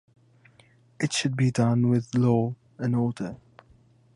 It should be done with law and order.